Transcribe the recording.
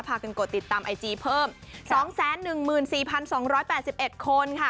พากันกดติดตามไอจีเพิ่ม๒๑๔๒๘๑คนค่ะ